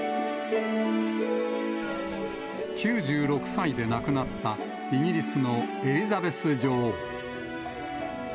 ９６歳で亡くなったイギリスのエリザベス女王。